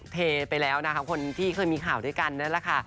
เทไปแล้วนะคะคนที่เคยมีข่าวด้วยกันนั่นแหละค่ะ